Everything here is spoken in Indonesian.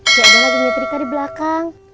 gak ada lagi istriku di belakang